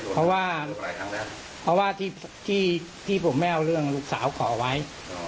เพราะว่าเพราะว่าที่ผมไม่เอาเรื่องลูกสาวขอไว้